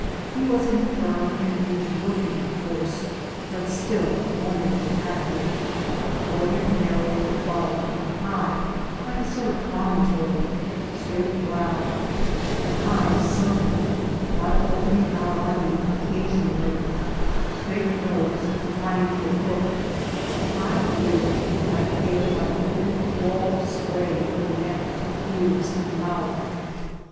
He was infirm and aged looking of course, but still wonderfully active ; forehead narrowing above, and high like a sort of promontory, straight brow, and eyes sunken but opening out on you occasionally, straight nose inclining to a hook, and high bridge, white hair like a thin fall of spray over neck, ears and mouth.